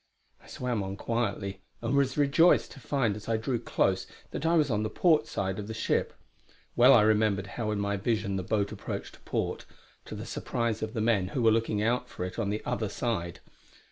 I swam on quietly, and was rejoiced to find as I drew close that I was on the port side of the ship; well I remembered how in my vision the boat approached to port, to the surprise of the men who were looking out for it on the other side.